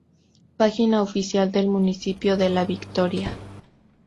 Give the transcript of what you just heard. Página oficial del Municipio de La Victoria.